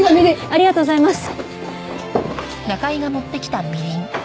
ありがとうございます。